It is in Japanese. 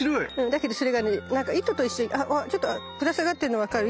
だけどそれがねなんか糸と一緒にあっちょっとぶら下がってるの分かる？